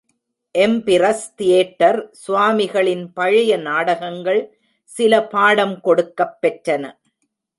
Empress theatre சுவாமிகளின் பழைய நாடகங்கள் சில பாடம் கொடுக்கப் பெற்றன.